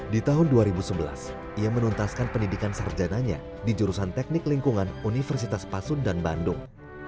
di tahun dua ribu sebelas ia menuntaskan pendidikan sarjananya di jurusan teknik lingkungan universitas pasundan bandung